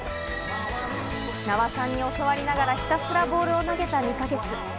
名和さんに教わりながら、ひたすらボールを投げた２か月。